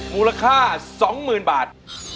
มูลค่า๒๐๐๐บาท